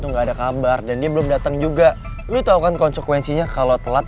nggak ada kabar dan dia belum datang juga lu tahu kan konsekuensinya kalau telat